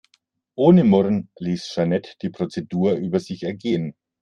Ohne Murren ließ Jeanette die Prozedur über sich ergehen.